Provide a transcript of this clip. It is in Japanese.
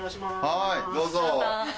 はいどうぞ。